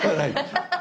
アハハハ。